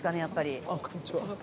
やっぱり。